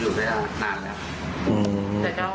อยู่ด้วยกันนานแล้ว